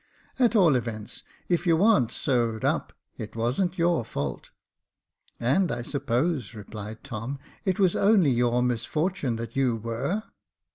At all events, if you warn't sewed up, it wasn't your fault." " And I suppose," replied Tom, " it was only your misfortune that you were."